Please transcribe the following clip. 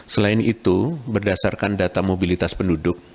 selain itu berdasarkan data mobilitas penduduk